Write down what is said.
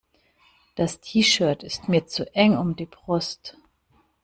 Das T-Shirt ist mir zu eng um die Brust.